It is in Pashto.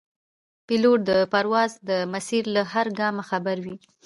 پیلوټ د پرواز د مسیر له هر ګامه خبر وي.